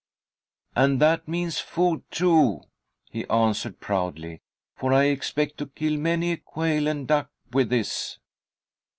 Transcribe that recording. "And that means food, too," he answered, proudly, "for I expect to kill many a quail and duck with this."